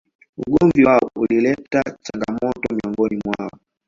Ugomvi wao ulileta changamoto miongoni mwao